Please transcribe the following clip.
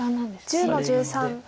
白１０の十三。